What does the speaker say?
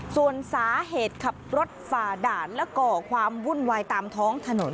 ส่วนสาเหตุขับรถฝ่าด่านและก่อความวุ่นวายตามท้องถนน